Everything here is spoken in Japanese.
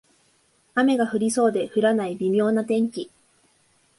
雨が降りそうで降らない微妙な天気